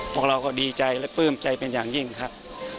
พวกเราก็ดีใจและปลื้มใจเป็นอย่างยิ่งครับ